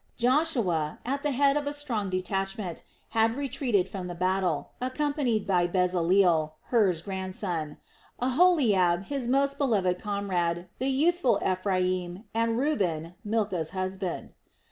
Joshua, at the head of a strong detachment, had retreated from the battle, accompanied by Bezaleel, Hur's grandson, Aholiab, his most beloved comrade, the youthful Ephraim, and Reuben, Milcah's husband.